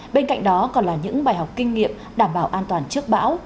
bên cạnh đó còn là những bài học kinh nghiệm đảm bảo an toàn trước bão